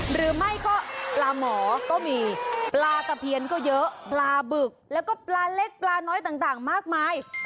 หรือไม่ก็ปลาหมอก็มีปลาตะเพียนก็เยอะปลาบึกแล้วก็ปลาเล็กปลาน้อยต่างมากมาย